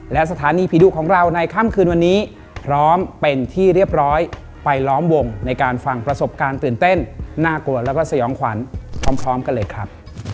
และสถานีผีดุของเราในค่ำคืนวันนี้พร้อมเป็นที่เรียบร้อยไปล้อมวงในการฟังประสบการณ์ตื่นเต้นน่ากลัวแล้วก็สยองขวัญพร้อมกันเลยครับ